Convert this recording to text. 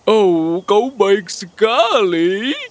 oh kau baik sekali